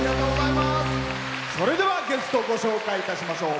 それではゲストご紹介いたしましょう。